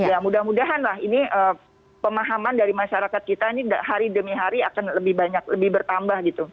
ya mudah mudahan lah ini pemahaman dari masyarakat kita ini hari demi hari akan lebih banyak lebih bertambah gitu